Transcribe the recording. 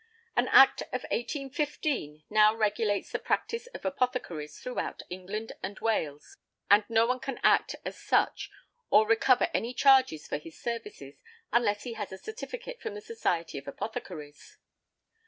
An Act of 1815 now regulates the practice of apothecaries throughout England and Wales, and no one can act as such or recover any charges for his services unless he has a certificate from the Society of Apothecaries.